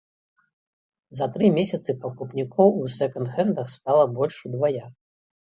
За тры месяцы пакупнікоў у сэканд-хэндах стала больш удвая.